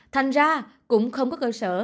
thành ra cũng không có cơ sở